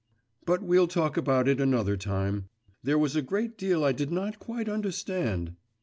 But we'll talk about it another time. There was a great deal I did not quite understand.